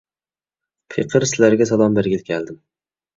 پېقىر سىلەرگە سالام بەرگىلى كەلدىم.